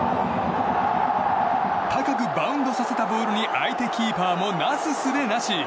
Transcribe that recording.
高くバウンドさせたボールに相手キーパーもなすすべなし。